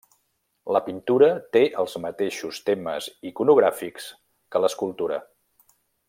La pintura té els mateixos temes iconogràfics que l'escultura.